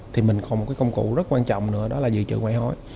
thì mình có một công cụ rất quan trọng nữa đó là dự trữ ngoại hối